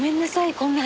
こんな話。